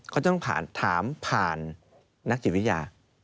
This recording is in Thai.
เขาต้องผ่านถามผ่านนักจิตวิทยา